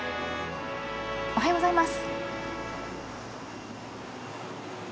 おはようございます。